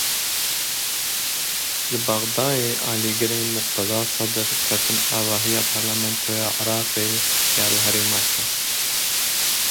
Li Bexdayê, alîgirên Muqteda Sedr ketin avahiya Parlamentoya Iraqê ya li Herêma Kesk.